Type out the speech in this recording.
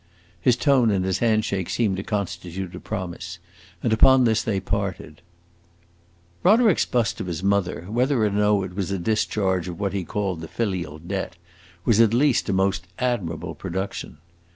His tone and his hand shake seemed to constitute a promise, and upon this they parted. Roderick's bust of his mother, whether or no it was a discharge of what he called the filial debt, was at least a most admirable production.